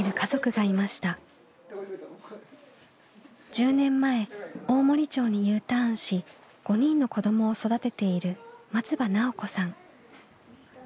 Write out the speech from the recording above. １０年前大森町にＵターンし５人の子どもを育てている松場奈緒子さん。